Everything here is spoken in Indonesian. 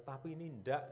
tapi ini enggak